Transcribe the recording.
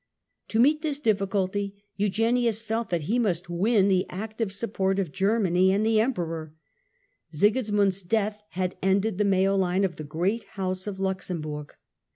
To meet this new difficulty, Eugenius felt that he Germany must win the active support of Germany and the Empire Emperor. Sigismund's death had ended the male line of the great house of Luxemburg.